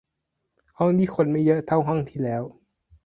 ห้องนี้คนไม่เยอะเท่าห้องที่แล้ว